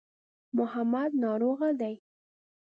محمد ناروغه دی.